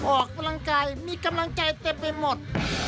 ออกกำลังกายมีกำลังใจเต็มไปหมด